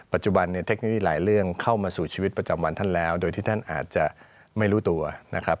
ปัจจุบันเนี่ยเทคโนโลยีหลายเรื่องเข้ามาสู่ชีวิตประจำวันท่านแล้วโดยที่ท่านอาจจะไม่รู้ตัวนะครับ